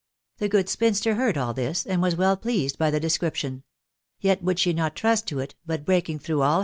The good, spinster beard; asL this, and. was well pleased by thei description;; yet would she not trust to it; but breaking, through all.